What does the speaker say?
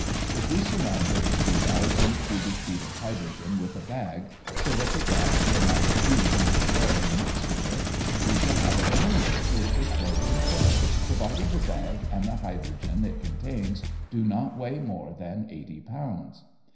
If we surrounded the thousand cubic feet of hydrogen with a bag so that the gas will not diffuse into the air and mix with it, we shall have a balloon which would float in air provided the bag and the hydrogen it contains do not weigh more than eighty pounds.